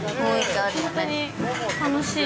本当に楽しい。